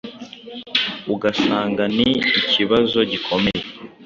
ugasanga ni ikibazo gikomeye.”